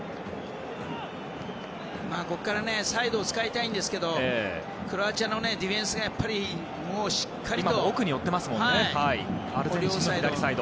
ここからサイドを使いたいんですけどクロアチアのディフェンスがしっかりと。